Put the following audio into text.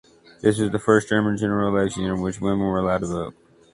This was the first German general election in which women were allowed to vote.